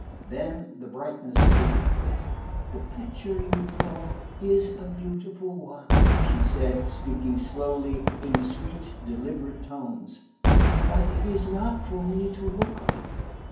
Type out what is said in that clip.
Then the brightness faded. "The picture you draw is a beautiful one," she said, speaking slowly, in sweet deliberate tones, "but it is not for me to look on.